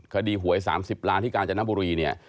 คดีหวย๓๐ล้านที่กาญจนบุรีเนี่ย